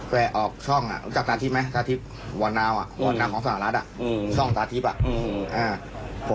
แปะออกช่องรู้จักตาทิพย์ไหมตาทิพย์